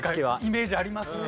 イメージありますね。